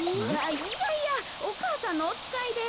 いやいやお母さんのおつかいで。